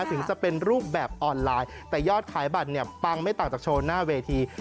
ถึงจะเป็นรูปแบบออนไลน์แต่ยอดขายบัตรเนี่ยปังไม่ต่างจากโชว์หน้าเวที